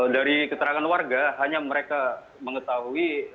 dari keterangan warga hanya mereka mengetahui